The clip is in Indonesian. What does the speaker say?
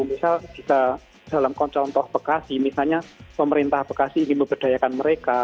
misal bisa dalam contoh bekasi misalnya pemerintah bekasi ingin memberdayakan mereka